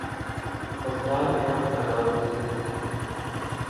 Baghdad Iraq کا دار الحکومت